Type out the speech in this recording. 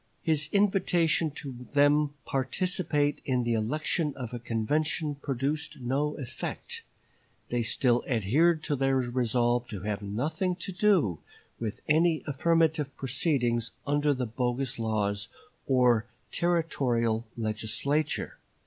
His invitation to them to participate in the election of a convention produced no effect; they still adhered to their resolve to have nothing to do with any affirmative proceedings under the bogus laws or Territorial Legislature.